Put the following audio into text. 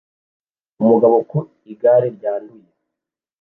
Umugabo ku igare ryanduye